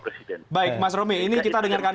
presiden baik mas romi ini kita dengarkan